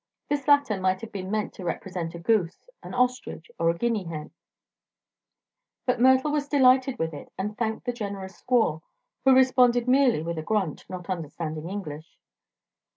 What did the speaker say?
This latter might have been meant to represent a goose, an ostrich or a guinea hen; but Myrtle was delighted with it and thanked the generous squaw, who responded merely with a grunt, not understanding English.